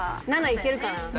７いけるかな？